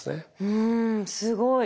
うんすごい。